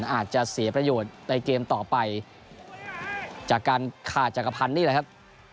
อาจจะเสียประโยชน์ในเกมต่อไปจากการขาดจักรพันธ์นี่แหละครับ